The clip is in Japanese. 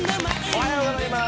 おはようございます。